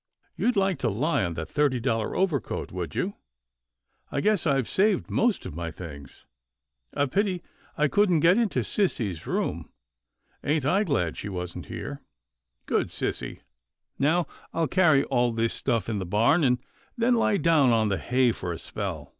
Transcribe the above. You'd like to lie on that thirty dollar overcoat, would you? — I guess I've saved most of my things. A pity I couldn't get into sissy's room — ain't I glad she THE SON OF MUFFLES 253 wasn't here — good sissy. Now I'll carry all this stuff in the barn, and then lie down on the hay for a spell.